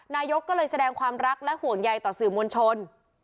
นายกก็เลยแสดงความรักและห่วงใยต่อสื่อมวลชน